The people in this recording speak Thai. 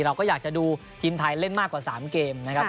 เราก็อยากจะดูทีมไทยเล่นมากกว่า๓เกมนะครับ